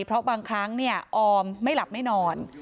เพราะบางครั้งออมไม่หลับไม่นอน